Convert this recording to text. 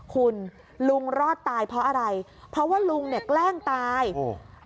คุณลุงรอดตายเพราะอะไรเพราะว่าลุงเนี่ยแกล้งตายโอ้โห